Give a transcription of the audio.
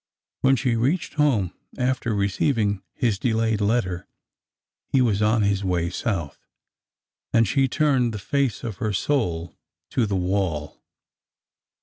When she reached home after receiving his delayed letter, he was on his way South,— and she turned the face of her soul to the wall.